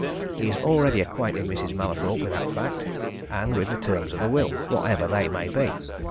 He's already acquainted Mrs. Mallathorpe with that fact, and with the terms of the will whatever they may be.